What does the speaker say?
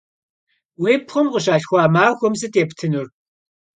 Vuipxhum khışalhxua maxuem sıt yêptınur?